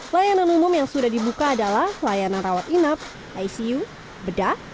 layanan umum yang sudah dibuka adalah layanan rawat inap icu bedah